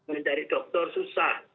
mencari dokter susah